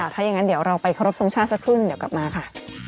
ถ้าอย่างนั้นเดี๋ยวเราไปครบทรงชาติสักครู่เดี๋ยวกลับมาค่ะ